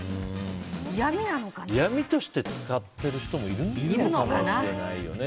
嫌みとして使ってる人もいるのかもしれないよね。